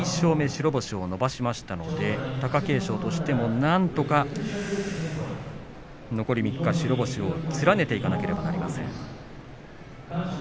白星を伸ばしましたので貴景勝としてもなんとか残り３日、白星を連ねていかなければなりません。